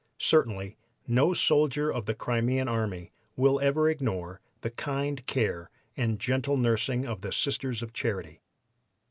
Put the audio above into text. Certainly, no soldier of the Crimean army will ever ignore the kind care and gentle nursing of the Sisters of Charity.